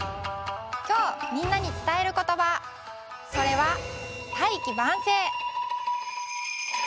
きょうみんなにつたえることばそれは「大器晩成」。